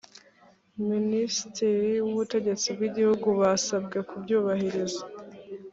minisitiri w’ubutegetsi bw’igihugu basabwe kubyubahiriza